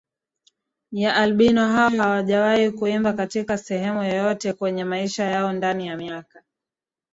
ya Albino hao hawajawahi kuimba katika sehemu yoyote kwenye Maisha yao Ndani ya miaka